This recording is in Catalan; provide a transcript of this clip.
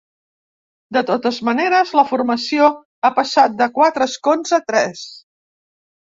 De totes maneres, la formació ha passat de quatre escons a tres.